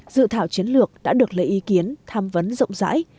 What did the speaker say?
dự thảo chiến lược đã được lấy ý kiến tham vấn rộng rãi